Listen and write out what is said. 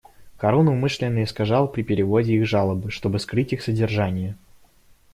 Харун умышленно искажал при переводе их жалобы, чтобы скрыть их содержание.